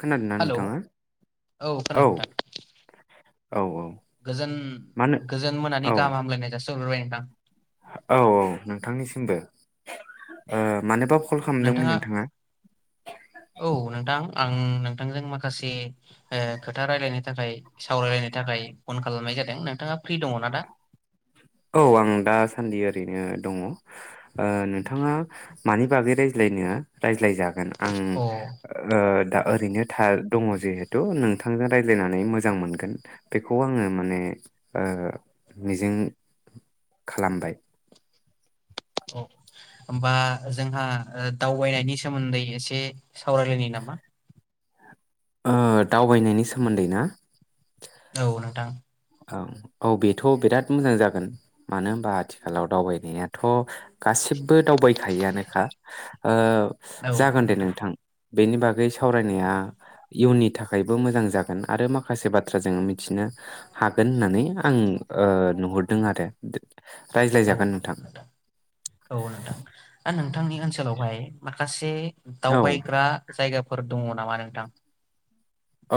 खोनादोंना हेलौ, नोंथाङा औ औ खोनादों। औ गोजोन मानो गोजोन औ मोनानि गाहाम हामलायनाय जा सि हरग्रोबाय नोंथां। औ औ नोंथांनिसिमबो। ओ मानोबा कल खालामदोंमोन नोंथाङा? औ नोंथां आं नोंथांजों माखासे ओ खोथा रायलायनो थाखाय सावरायलायनो थाखाय फन खालामनाय जादों नोंथाङा फ्रि दङ ना दा? औ आं दासान्दि ओरैनो दङ। ओ नोंथाङा मानि बागै रायज्लायनो राज्लाय जागोन आं अ औ ओ दा ओरैनो थार दङ जिहेथु नोंथांजों रायज्लायनानै मोजां मोनगोन बेखौ आङो माने ओ मिजिं खालामबाय। औ होमबा ओ जोंहा दावबायनायनि सोमोन्दै एसे सावरायलायनि नामा? ओ दावबायनायनि सोमोन्दै ना? औ नोंथां। औ औ बेथ' बिराद मोजां जागोन मानो होनबा आथिखालाव दावबायनायाथ' गासिब बबो दावबायखायो आनोखा। ओ जागोन दे नोंथां बेनि बागै सावरायनाया औ इयुननि थाखायबो मोजां जागोन आरो माखासे बाथ्रा जों मिथिनो हागोन होननानै आं ओ नुहरदों आरो औ रायज्लायजागोन नोंथां औ नोंथां आं नों थांनि ओनसोलावहाय मा खासे दाव औ बायग्रा जायगा फोर दङ नामा नोंथां?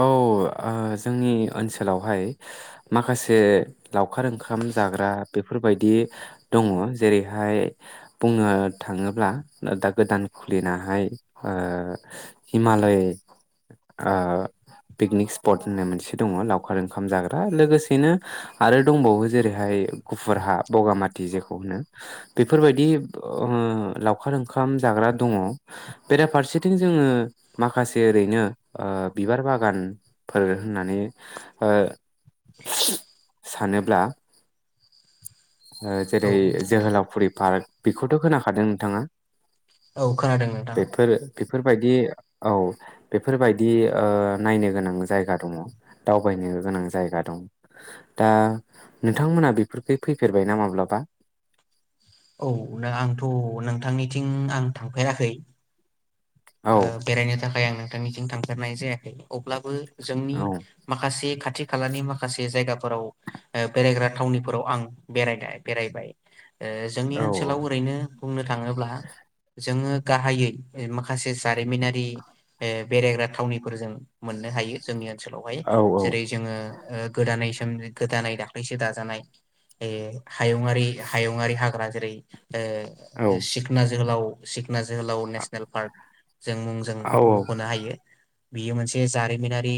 औ ओ जोंनि ओनसोलावहाय माखासे लावखार ओंखाम जाग्रा बेफोरबायदि दङ जेरैहाय बुंनो थाङोब्ला दा गोदान खुलिनाहाय ओ हिमालय ओ पिकनिक स्पट होननाय मोनसे दङ लावखार ओंखाम जाग्रा। लोगोसेनो आरो दंबावो जेरैहाय गुफुर हा बगामाथि जेखौ होनो। बेफोरबायदि ओ लावखार ओंखाम जाग्रा दङ बेराफारसेथिं जोङो माखासे ओरैनो ओ बिबार बागानफोर होननानै ओ [inaudible] सानोब्ला ओ जेरै औ जोहोलावफुरि पार्क बेखौथ' खोनाखादों नोंथाङा? औ खोनादों नोंथां। बेफोर बेफोरबायदि औ बेफोरबायदि नायनो गोनां जायगा दङ दावबायनो गोनां जायगा दं दा नोंथांमोना बेफोरखै। फैफेरबायना माब्लाबा औ आंथ' नोंथांनिथिं आं थांफेराखै औ बेरायनो थाखाय आङो। नोंथांनिथिं थांफेरनाय जायाखै अब्लाबो जोंनि औ माखासे खाथि खाथि खालानि माखासे जायगाफोराव बेरायग्रा थावनिफोराव आं बेराय बेरायबाय जोंनि औ ओनसोलाव ओरैनो बुंनो थाङोब्ला जोङो गाहायै मा माखासे जारिमिनारि बेरायग्रा थावनिफोर जों मोननो हायो जोंनिया ओनसोलावहाय औ जेरै जोङो गोदानै गोदानै दाख्लैसो दाजानाय ए हायुङारि हायुङारि हाग्रा जेरै औ सिखना जोहोलाव सिखना जोहोलाव औ नेसनेल जों मुंजों औ मख'नो हायो। बियो मोनसे जारिमिनारि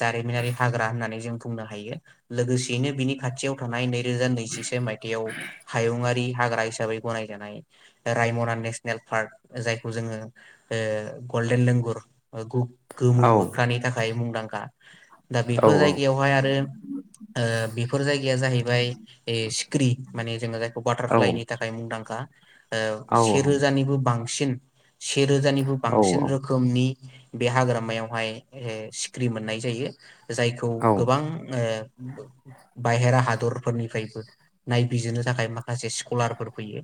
जारिमिनारि हाग्रा होननानै जों बुंनो हायो लोगोसेयैनो बिनि खाथियाव थानाय नै नै रोजा नैजिसे मायथाइयाव हायुंङारि हाग्रा हिसाबै गनायजानाय रायमना नेसनेल पार्क जायखौ जोङो ओ गल्डेन लेंगुर गोमो औ मोख्रानि थाखाय मुं लांखा। दा बेफोर औ जायगायावहाय आरो बेफोर जायगाया जाहैबाय सिख्रि माने जोङो जायखौ औ बाटारफ्लाइनि थाखाय मुंदांखा। ओ औ से रोजानिबो बांसिन सिन सेे रोजानिबो औ बांसिन रोखोमनि बे हाग्रामायावहाय सिखिरि मोननाय जायो। जायखौ गोबां ओ बाहेरा हादरफोरनिफ्रायबो नायबिजिरनो थाखाय मा? माखासे स्कलारफोर फैयो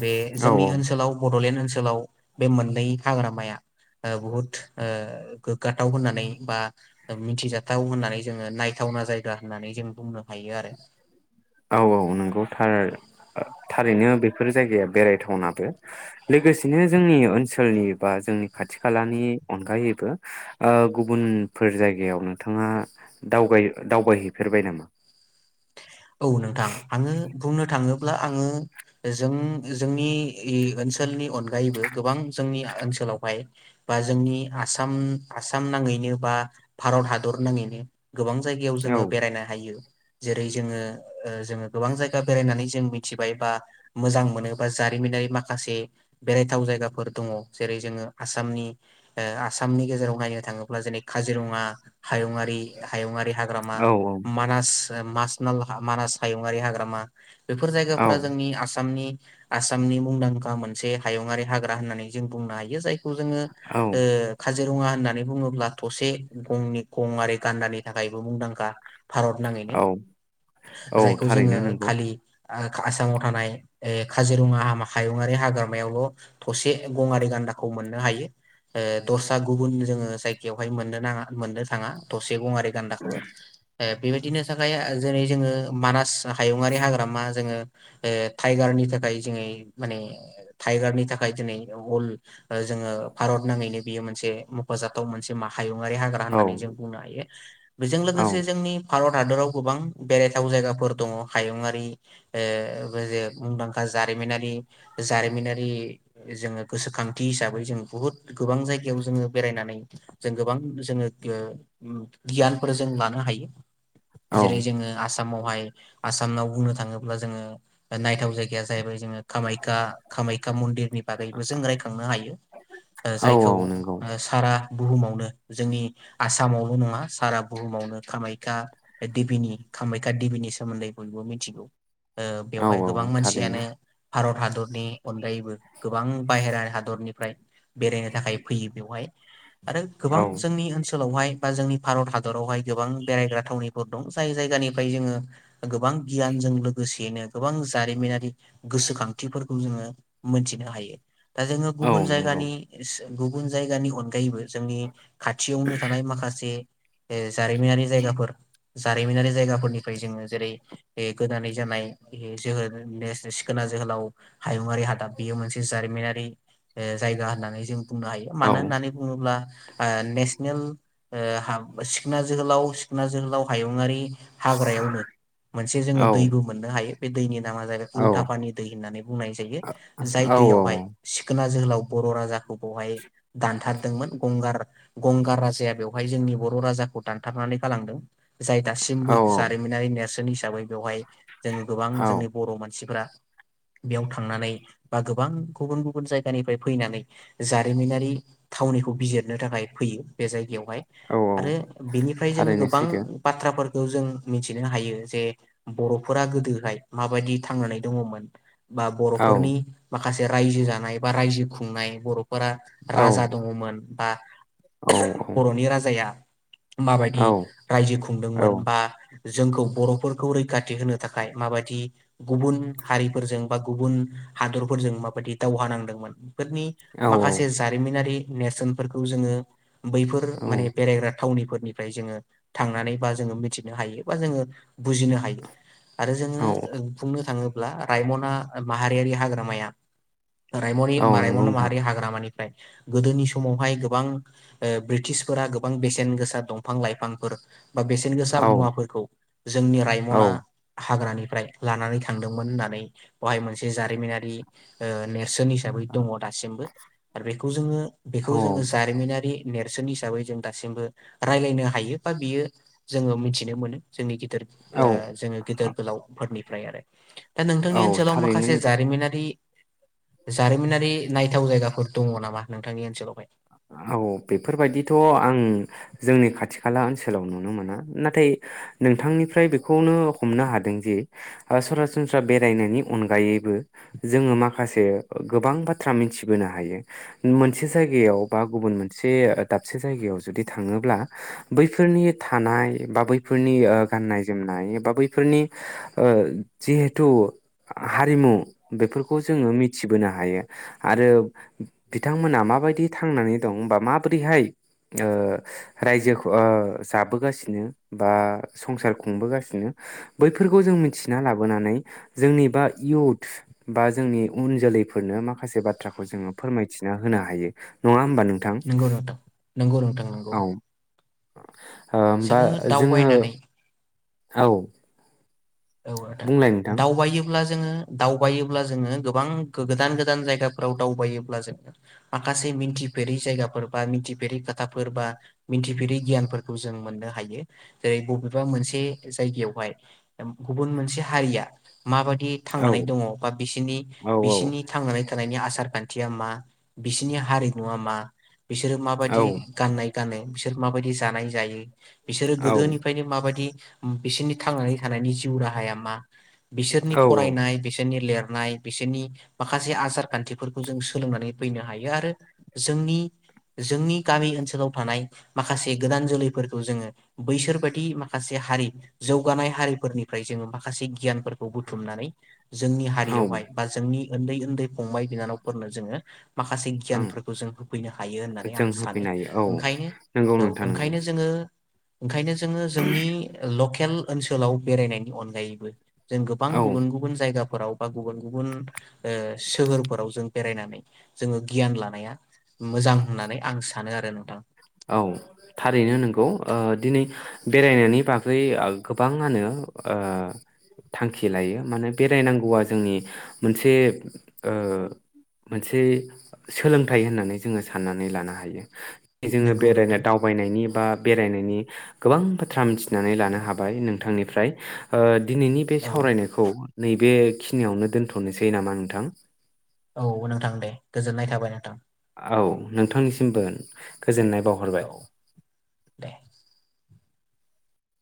बे औ जोंनि ओनसोलाव बड'लेण्ड ओनसोल ओनसोलाव। बे मोननै हाग्रामाया बुहुत गोग्गाथाव होननानै बा मिथिजाथाव होननानै जोङो नायथावना जायगा होननानै जों बुंनो हायो आरो औ औ नंगौ थार थारैनो बेफोर जायगाया बेरायथावनाबो लोगोसेनो जोंनि ओनसोलनि बा जोंनि खाथि खालानि अनगायैबो गुबुनफोर जायगायाव नोंथाङा दावबायहैफेरबाय नामा? औ नोंथां आङो बुंनो थाङोब्ला आङो जों जोंनि ओनसोलनि अनगायैबो गोबां जोंनि ओनसोलावहाय बा जोंनि आसाम आसाम नाङैनो बा भारत हादर नाङैनो गोबां जायगायाव औ जोङो बेरायनो हायो। जेरै जोङो जोङो गोबां जायगा बेरायनानै जों मिथिबाय बा मोजां मोनो बा जारिमिनारि माखासे बेरायथाव जायगाफोर दङ जेरै जोङो आसामनि ओ आसामनि गेजेराव नायनो थाङोब्ला जेरै काजिरङा हायुङारि हायुङारि हाग्रामा औ मानास मास मानास हायुंआि हाग्रामा बेफोर औ जायगाफोरा जोंनि आसामनि आसामनि मुंदांखा मोनसे हायुंङारि हाग्रा होननानै जों बुंनो हायो जाय औ जोङो औ ओ खा काजिरङा होननानै बुङोब्ला थसे गंनि गङारि गान्दानि थाखायबो मुंदांखा। भारत नाङैनो औ औ जायखौ जोङो थारैनो नंगौ खालि आसामाव थानाय काजिरङा हायुंङारि हाग्रामायावल' थसे गङारि गान्दाखौ मोननो हायो ओ दसा गुबुन जोङो जायगायावहाय मोननो नाङा मोननो थाङा थसे गङारि गान्दाखौ ए बेबायदिनो थाखाय ए जोङो मानास हायुङारि हाग्रामा जोङो ओ टाइगारनि थाखाय जोङै माने टाइगारनि थाखाय दिनै अल ओ जोङो भारत नाङैनो बेयो मोनसे मख'जाथाव मोनसे माहारि हायुङारि हाग्रा औ होननानै जों बुंनो हायो। बेजों औ लोगोसे जोंनि भारत हादराव गोबां बेरायथाव जायगाफोर दङ हायुंङारि ओ बे जे मुंदांखा जारिमिनारि जारिमिनारि जोङो गोसोखांथि हिसाबै जों बुहुद गोबां जायगायाव जोङो बेरायनानै जों गोबां जोङो गो ओ गियानफोर जों लानो हायो। औ जेरै जोङो आसामावहाय आसामाव बुंनो थाङोब्ला जोङो नायथाव जायगाया जाहैबाय जोङो कामाख्या कामाख्या मन्दिर। नि बागैबो जों रायखांनो हायो औ जायखौ औ नंगौ ओ सारा बुहुमावनो जोंनि आसामावल' नङा सारा बुहुमावनो कामाख्या देबिनि खामायाख्या देबिनि सोमोन्दै बयबो मिथिगौ। ओ औ बेवहाय औ गोबां थारैनो मानसियानो भारत हादरनि अनगायैबो गोबां बाहेरा हादरनिफ्राय बेरायनो थाखाय फैयो बेवहाय। आरो गोबां औ जोंनि ओनसोलाव सोलावहाय बा जोंनि भारत हादरावहाय गोबां बेरायग्रा थावनिफोर दं जाय जाय गानिफ्राय जोङो गोबां गियानजों लोगोसेयैनो गोबां जारिमिनारि गोसोखांथिफोरखौ जोङो मोनथिनो हायो। दा जोङो औ गुबुन नंगौ जायगानि गुबुन जायगानि अनगायैबो जोंनि खाथियावनो थानाय माखासे ए जारिमिनारि जायगाफोर जारिमिनारि जायगाफोरनिफ्राय जोङो जेरै गोदानै जानाय जोहोल सिखोना जोहोलाव हायुंङारि हादाब बेयो मोनसे जारिमिनारि ओ जायगा होननानै जों बुंनो हायो औ मानो होननानै बुङोब्ला ओ नेसनेल ओ सिखना जोहोलाव सिखना जोहोलाव हायुङारि हाग्रायावनो मोनसे जोङो औ दैबो मोननो हायो। बे दैनि नामा जायैबाय औ उल्था फानि दै होननानै बुंनाय जायो जाय औ दैयाव हायो सिखोना जोहोलाव बर' राजाखौ बेवहाय दानथारदोंमोन गंगार गंगार राजाया बेवहाय जोंनि बर' राजाखौ दानथारनानै गालांदों जाय औ दासिमबो जारिमिनारि नेेरसोननि हिसाबै बेवहाय जोङो गोबां जोंनि बर' मानसिफ्रा बेयाव थांनानै बा गोबां गुबुन गुबुन जायगानिफ्राय फैनानै जारिमिनारि थावनिखौ बिजिरनो थाखाय फैयो बे जायगायाव औ [unintelligible] आरो बिनिफ्राय जों थारैनो गोबां सैथो बाथ्राफोर बेखौ जों मिथिनो हायो जे बर'फोरा गोदोहाय माबायदि थांनानै दङमोन बा औ बर'फोरनि मा माखासे रायजो जानाय बा रायजो खुंनाय बर' फोरा औ राजा दङमोन। औ औ [unintelligible] बर'नि राजाया माबायदि औ रायजो खुंदोंमोन बा जोंखौ बर'फोरखौ रैखाथि होनो थाखाय माबायदि गुबुन हारिफोरजों बा गुबुन हादरफोरजों माबायदि दावहा नांदोंमोन फोरनि माखासे जारिमिनारि नेेरसोनफोरखौ जोङो बैफोर औ माने बेरायग्रा थावनिफोर निफ्राय जोङो थांनानै बा जोङो मिथिनो हायो बा जोङो बुजिनो हायो आरो जोङो औ बुंनो थाङोब्ला ब्ला रायमना माहारियारि हाग्रामाया रायमनि औ नंगौ रायमना नोंथां माहारि हाग्रामानि फ्राय गोदोनि समावहाय गोबां ओ ब्रिटिशफोरा गोबां बेसेन गोसा दंफां लाइफांफोर बा बेसेन गोसा औ मुवाफोर जोंनि औ रायमना हाग्रानि फ्राय लानानै थांदोंमोन होननानै बेवहाय मोनसे जारिमिनारि ओ नेर सोन हिसाबै दङ दासिमबो आरो बेखौ जोङो बेखौ औ जोङो जारिमिनारि नेरसोन हिसाबै जों दासिमबो रायलायनो हायो बा बियो जोङो मिथिनो मोनो। जोंनिखि औ जोङो गेदेर गोलावफोरनि फ्राय आरो दा औ नोंथांनि ओनसोलाव थारैनो माखासे नोंगौ जारिमिनारि जारिमिनारि नायथाव जायगाफोर दङ नामा नोंथांनि ओनसोलावहाय? औ बेफोरबायदिथ' आं जोंनि खाथि खाला ओनसोलाव नुनो मोना। नाथाय नोंथांनिफ्राय बेखौनो हमनो हादों जे सरासनस्रा बेरायनायनि अनगायैबो जोङो माखासे गोबां बाथ्रा मिथिबोनो हायो। मोनसे जायगायाव बा गुबुन मोनसे दाबसे जायगायाव जुदि थाङोब्ला बैफोरनि थानाय बा बैफोरनि गाननाय जोमनाय बा बैफोरनि ओ जिहेथु हारिमु बेफोरखौ जोङो मिथिबोनो हायो आरो बिथांमोना माबायदि थांनानै दं बा माबोरैहाय ओ रायजो ओ जाबोगासिनो बा संसार खुंबोगासिनो बैफोरखौ जों मिथिना लाबोनानै जोंनि बा इयुथ बा जोंनि उन जोलैफोरनो माखासे बाथ्राखौ जोङो फोरमायथिना होनो हायो। नङा होम नोंगौ नोंथां। नोंगौ नोंथांनि नोंगौ। औ ओ होमबा जोङो औ औ आदा। बुंलाय नोंथां दावबायोब्ला जोङो दावबायोब्ला जोङो गोबां गोदान गोदान जायगाफोराव दावबायोब्ला जोङो माखासे मिथिफेरै जायगाफोर बा मिथिफेरै खोथाफोर बा मिथिफेरै गियानफोरखौ जों मोननो हायो जेरै- बबेबा मोनसे जायगायावहाय गुबुन मोनसे हारिया माबादि औ थांनानै दङ बा बिसिनि औ बिसिनि थांनानै थानायनि आसार खान्थिया मा? बिसिनि हारिमुआ मा? बिसोरो औ माबायदि गाननाय गानो बिसोर माबायदि जानाय जायो? बिसोरो औ गोदोनिफ्रायनो माबायदि बिसोरनि थांनानै थानायनि जिउ राहाया मा? बिसोरनि औ औ फरायनाय बिसोरनि लेर नाय बिसोरनि माखासे आसार खान्थिफोरखौ जों सोलोंनानै फैनो हायो आरो जोंनि जोंनि गामि ओनसोलाव थानाय माखासे गोदान जोलैफोरखौ जोङो बैसोरबायदि माखासे हारि जौगानाय हारि फोरनिफ्राय जोङो माखासे गियानफोरखौ खौ बुथुमनानै जोंनि औ हारियावहाय बा जोंनि उन्दै उन्दै फंबाय बिनानावफोरनो जोङो माखासे ओं गियानफोरखौ जों होफैनो हायो होननानै आं जों सानो होफैनो हायो औ ओंखायनो नंगौ औ नोंथां नंगौ ओंखायनो जोङो ओंखायनो जोङो जोंनि ल खेल ओनसोलाव बेरायनायनि अनगायैबो जों गोबां औ गुबुन गुबुन जायगा फोराव बा गुबुन गुबुन सोहोरफोराव जों बेरायनानै जोङो गियान लानाया मोजां होननानै आं सानो आरो नोंथां औ थारैनो नोंगौ ओ दिनै बेरायनायनि बागै गोबाङानो ओ थांखि लायो माने बेरायनांगौआ जोंनि मोनसे ओ मोनसे सोलोंथाइ होननानै जोङो साननानै लानो हायो जोङो नंगौ बेरायनो नोंथां। दावबायनायनि बा बेरायनायनि गोबां बाथ्रा मिथिनानै लानो हाबाय नोंथांनिफ्राय ओ दिनैनि बे औ सावरायनायखौ नैबेखिनियावनो दोनथ'नोसै नामा नोंथां औ नोंथां दे गोजोननाय थाबाय नोंथां औ नोंथांनिसिमबो गोजोननाय बावहरबाय। औ दे।